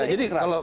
jadi kalau saya ya